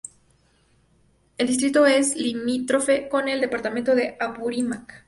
El distrito es limítrofe con el departamento de Apurímac.